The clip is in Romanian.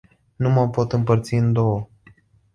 Nu mă pot împărți în două.